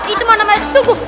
itu mana namanya subuh